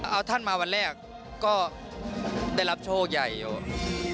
เอาท่านมาวันแรกก็ได้รับโชคใหญ่อยู่